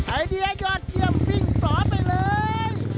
ไอเดียยอดเยี่ยมวิ่งต่อไปเลย